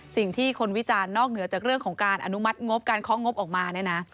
สิ่งที่คนวิจารณ์นอกเหนือจากเรื่องของการอนุมัติงบการเคาะงบออกมาเนี่ยนะ